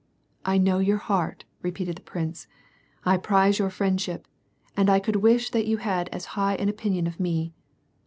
"I know your heart," repeated the prince, "I prize your friendship, and I could wish that you hstd as high an opinion of me.